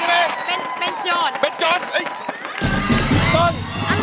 ร้องได้ให้ร้อง